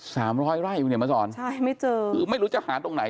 สามร้อยไร่คุณเห็นมาสอนใช่ไม่เจอคือไม่รู้จะหาตรงไหน